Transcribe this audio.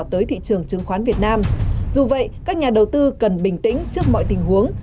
tới thị trường chứng khoán việt nam dù vậy các nhà đầu tư cần bình tĩnh trước mọi tình huống